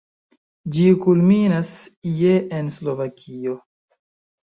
Ĝi kulminas je en Slovakio.